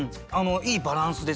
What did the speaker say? いいバランスですよね。